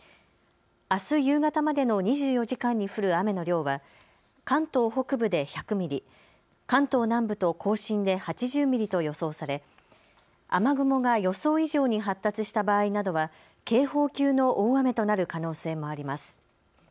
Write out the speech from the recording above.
あす夕方までの２４時間に降る雨の量は、関東北部で１００ミリ、関東南部と甲信で８０ミリと予想され雨雲が予想以上に発達した場合などは警報級の大雨となる可能性もあります。